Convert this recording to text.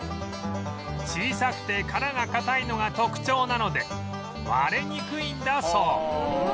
小さくて殻が硬いのが特徴なので割れにくいんだそう